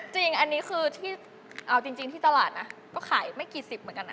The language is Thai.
จริงอันนี้คือที่เอาจริงที่ตลาดนะก็ขายไม่กี่สิบเหมือนกันนะ